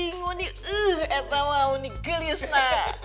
ini eh ini gelis neng